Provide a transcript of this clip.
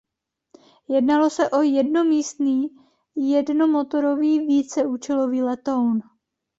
Jednalo se o jednomístný jednomotorový víceúčelový letoun.